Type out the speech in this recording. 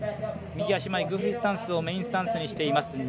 右足前、グーフィースタンスをメインスタンスにしています。